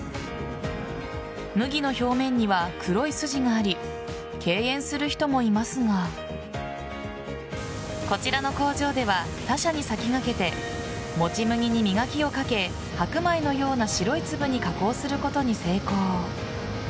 麦の表面には黒い筋があり敬遠する人もいますがこちらの工場では他社に先駆けてもち麦に磨きをかけ白米のような白い粒に加工することに成功。